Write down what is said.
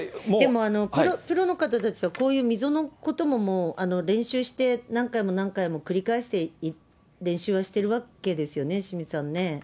でも、プロの方たちはこういう溝のことも、もう練習して、何回も何回も繰り返して練習はしてるわけですよね。